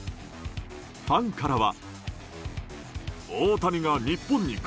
ファンからは。